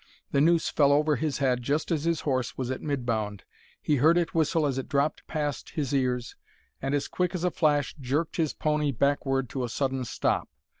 The noose fell over his head just as his horse was at mid bound. He heard it whistle as it dropped past his ears, and as quick as a flash jerked his pony backward to a sudden stop.